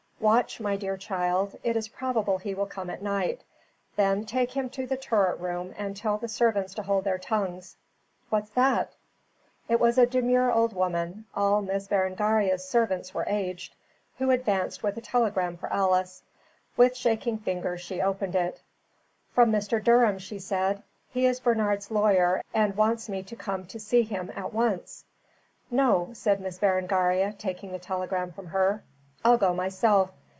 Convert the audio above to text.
Watch, my dear child. It is probable he will come at night. Then take him to the turret room, and tell the servants to hold their tongues. What's that?" It was a demure old woman all Miss Berengaria's servants were aged who advanced with a telegram for Alice. With shaking fingers, the girl opened it. "From Mr. Durham," she said. "He is Bernard's lawyer and wants me to come to see him at once." "No," said Miss Berengaria, taking the telegram from her. "I'll go myself.